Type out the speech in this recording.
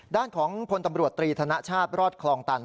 ด้านของพลตำรวจตรีธนชาติรอดคลองตัน